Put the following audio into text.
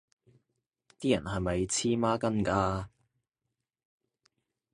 啲人係咪黐孖筋㗎